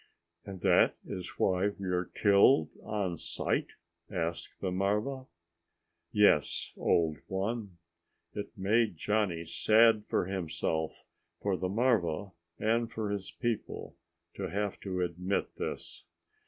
"And that is why we are killed on sight?" asked the marva. "Yes, old one." It made Johnny sad for himself, for the marva, and for his people, to have to admit this.